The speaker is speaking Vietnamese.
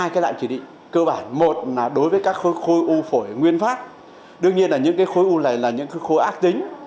khối u phổi nguyên pháp đương nhiên là những khối u này là những khối ác tính